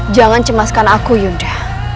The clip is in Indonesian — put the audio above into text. jangan cemaskan aku yunda